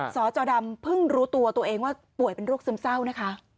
สจดำเพิ่งรู้ตัวตัวเองว่าป่วยเป็นโรคซึมเศร้านะคะ